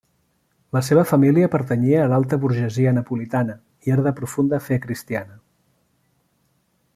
La seva família pertanyia a l'alta burgesia napolitana i era de profunda fe cristiana.